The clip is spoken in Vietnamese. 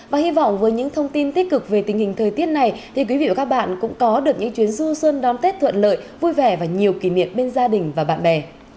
và hy vọng với những thông tin tích cực về tình hình thời tiết này thì quý vị và các bạn cũng có được những chuyến du xuân đón tết thuận lợi vui vẻ và nhiều kỷ niệm bên gia đình và bạn bè